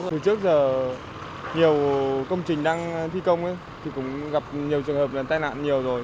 từ trước giờ nhiều công trình đang thi công thì cũng gặp nhiều trường hợp tai nạn nhiều rồi